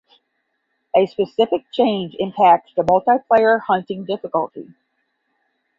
A specific change impacts the multiplayer hunting difficulty.